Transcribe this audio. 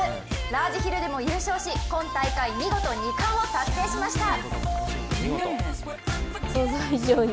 ラージヒルでも優勝し今大会、見事２冠を達成しました。